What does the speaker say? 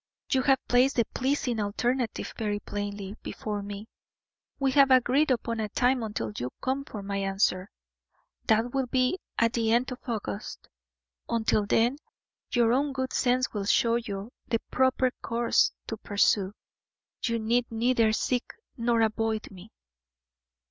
You have placed the pleasing alternative very plainly before me; we have agreed upon a time until you come for my answer that will be at the end of August. Until then your own good sense will show you the proper course to pursue; you need neither seek nor avoid me."